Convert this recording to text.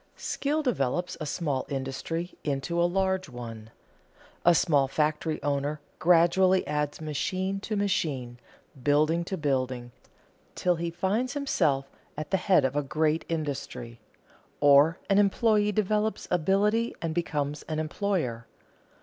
_ Skill develops a small industry into a large one. A small factory owner gradually adds machine to machine, building to building, till he finds himself at the head of a great industry. Or an employee develops ability and becomes an employer.